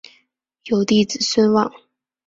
有弟子孙望。